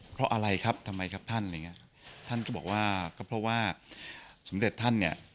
เพราะว่าสมเด็จท่านเนี่ย